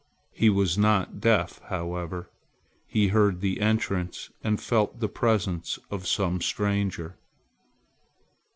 He was not deaf however. He heard the entrance and felt the presence of some stranger.